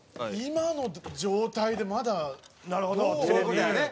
今の状態でまだどう。